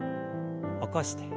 起こして。